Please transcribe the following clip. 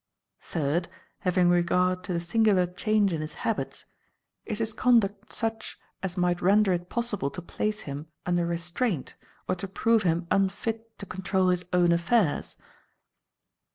Third, having regard to the singular change in his habits, is his conduct such as might render it possible to place him under restraint or to prove him unfit to control his own affairs?"